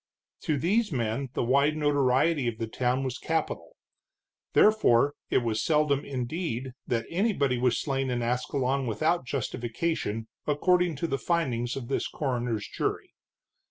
To these men the wide notoriety of the town was capital. Therefore, it was seldom, indeed, that anybody was slain in Ascalon without justification, according to the findings of this coroner's jury.